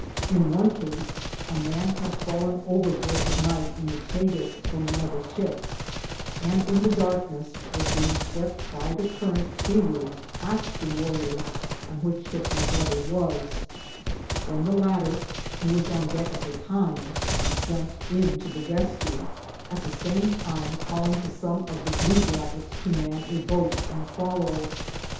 In one case a man had fallen overboard! at night in the Tagus from another ship, and in the darkness was being swept by the current seawards past the Warrior, on which ship my brother was when the latter, whp was on deck at th time, jumped 3 MY DAYS AND DRE&MS in to the rescue, at the same time calling* to some of the bluejackets to man a boat and follow.